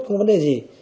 không có vấn đề gì